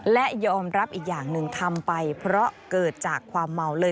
และยอมรับอีกอย่างหนึ่งทำไปเพราะเกิดจากความเมาเลย